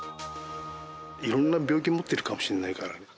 いろんな病気持ってるかもしれないから。